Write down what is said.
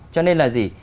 cho nên là gì